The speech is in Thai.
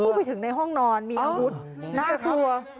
บุกไปถึงในห้องนอนมีอาวุธหน้าตัว